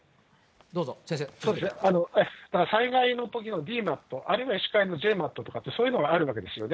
災害のときのＤＭＡＴ、あるいは医師会のジェーマット、そういうのがあるわけですよね。